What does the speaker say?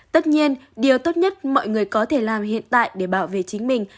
tất nhiên điều tốt nhất mọi người có thể làm hiện tại để bảo vệ chính mình